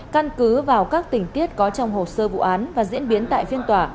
căn cứ vào các tình tiết có trong hồ sơ vụ án và diễn biến tại phiên tòa